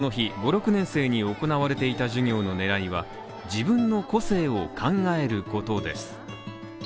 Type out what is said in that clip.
この日、５６年生に行われていた授業の狙いは自分の個性を考えることです。